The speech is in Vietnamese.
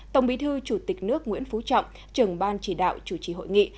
tổng bí thư chủ tịch nước nguyễn phú trọng trưởng ban chỉ đạo chủ trì hội nghị